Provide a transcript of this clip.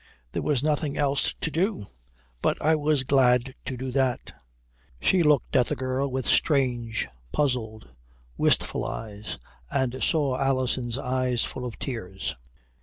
"There was nothing else to do. But I was glad to do that." She looked at the girl with strange, puzzled, wistful eyes and saw Alison's eyes full of tears.